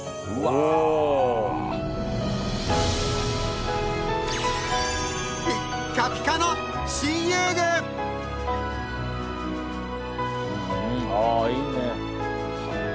あぁいいね。